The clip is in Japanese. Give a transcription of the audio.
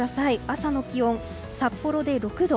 朝の気温、札幌で６度。